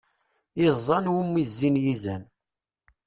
Iẓẓan umi i zzin yizan.